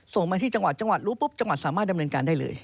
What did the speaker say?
ส่งมาที่จังหวัดจังหวัดรู้ปุ๊บจังหวัดสามารถดำเนินการได้เลย